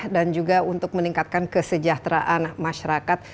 dan juga untuk meningkatkan kesejahteraan masyarakat